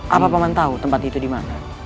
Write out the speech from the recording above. apa pemanah tau tempat itu dimana